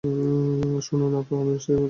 শুনুন আপা, আমি আসছি এই মুহূর্তে।